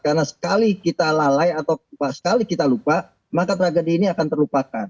karena sekali kita lalai atau sekali kita lupa maka tragedi ini akan terlupakan